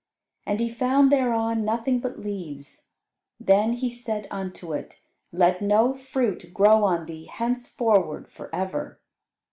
And He found thereon nothing but leaves. Then He said unto it, "Let no fruit grow on thee henceforward for ever."